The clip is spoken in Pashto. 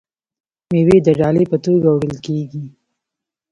میوې د ډالۍ په توګه وړل کیږي.